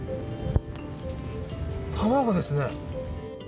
卵ですね。